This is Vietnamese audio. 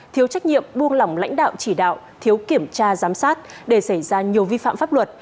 thiếu trách nhiệm buông lỏng lãnh đạo chỉ đạo thiếu kiểm tra giám sát để xảy ra nhiều vi phạm pháp luật